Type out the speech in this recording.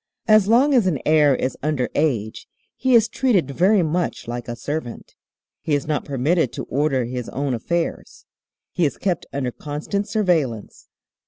"As long as an heir is under age he is treated very much like a servant. He is not permitted to order his own affairs. He is kept under constant surveillance.